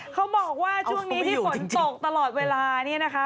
เขาบอกว่าช่วงนี้ที่ฝนตกตลอดเวลานี่นะคะ